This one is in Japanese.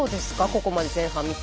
ここまで前半見て。